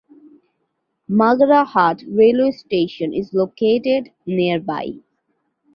Magra Hat railway station is located nearby.